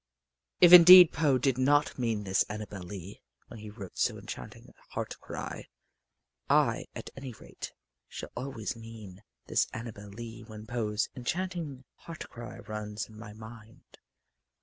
If indeed Poe did not mean this Annabel Lee when he wrote so enchanting a heart cry, I at any rate shall always mean this Annabel Lee when Poe's enchanting heart cry runs in my mind.